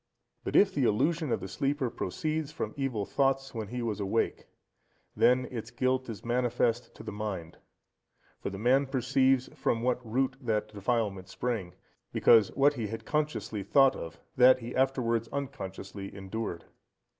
But if the illusion of the sleeper proceeds from evil thoughts when he was awake, then its guilt is manifest to the mind; for the man perceives from what root that defilement sprang, because what he had consciously thought of, that he afterwards unconsciously endured.